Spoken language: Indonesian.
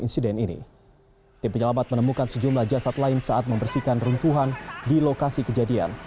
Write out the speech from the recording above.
saat lain saat membersihkan runtuhan di lokasi kejadian